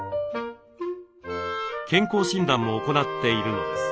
健康診断も行っているのです。